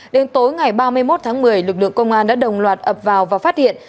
đến tối ngày ba mươi một tháng một mươi lực lượng công an đã đồng loạt ập vào và phát hiện